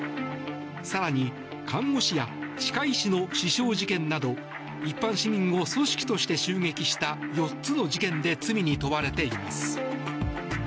更に、看護師や歯科医師の死傷事件など一般市民を組織として襲撃した４つの事件で罪に問われています。